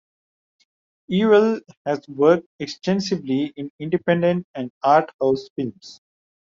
Ewell has worked extensively in independent and art house films.